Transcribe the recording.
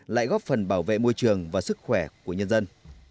lại góp phần bảo vệ môi trường và sức khỏe của nhân dân